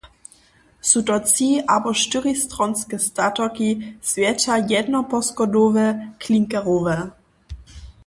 Su to tři- abo štyristronske statoki, zwjetša jednoposchodowe klinkerowe.